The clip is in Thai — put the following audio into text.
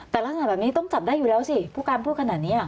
แต่ลักษณะแบบนี้ต้องจับได้อยู่แล้วสิผู้การพูดขนาดนี้